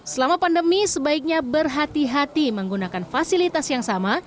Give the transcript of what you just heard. selama pandemi sebaiknya berhati hati menggunakan fasilitas yang sama